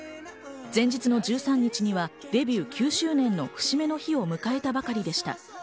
前日の１３日にはデビュー９周年の節目の日を迎えたばかりでした。